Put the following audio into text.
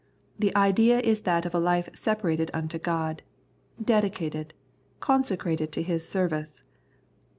The idea is that of a life separated unto God, dedicated, consecrated to His service.